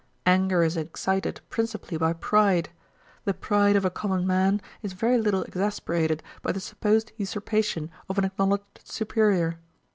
Anger is excited principally by pride. The pride of a common man is very little exasperated by the supposed usurpation of an acknowledged superiour.